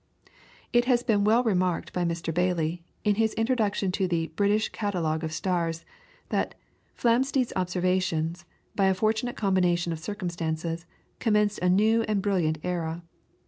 It has been well remarked by Mr. Baily, in his introduction to the "British Catalogue of Stars," that "Flamsteed's observations, by a fortunate combination of circumstances, commenced a new and a brilliant era.